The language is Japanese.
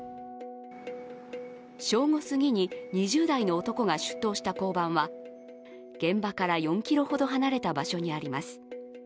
正午すぎに２０代の男が出頭した交番は現場から４ｋｍほど離れた場所にあります。